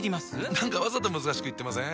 何かわざと難しく言ってません？